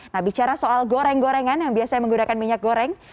nah bicara soal goreng gorengan yang biasanya menggunakan minyak goreng